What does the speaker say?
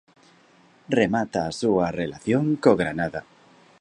Remata a súa relación co Granada.